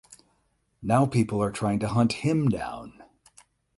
Now people are trying to hunt him down.